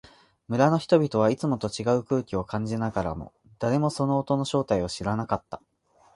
村の人々はいつもと違う空気を感じながらも、誰もその音の正体を知らなかった。